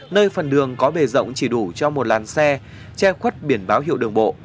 nơi phần đường có bề rộng chỉ đủ cho một làn xe che khuất biển báo hiệu đường bộ